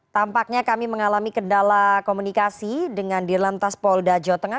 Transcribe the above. tampaknya kami mengalami kendala komunikasi dengan di lantas polda jawa tengah